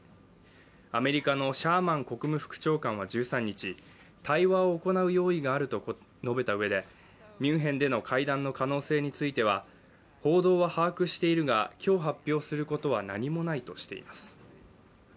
アメリカのシャーマン国務副長官は１３日、対話を行う用意があると述べたうえでミュンヘンでの会談の可能性については報道は把握しているが今日発表することは何もないとしています。